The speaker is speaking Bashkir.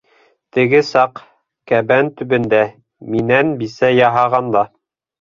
Теге саҡ... кәбән төбөндә... минән бисә яһағанда...